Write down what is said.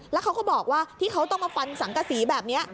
แล้วเขาก็บอกว่าที่เขาต้องมาฟันสังกษีแบบนี้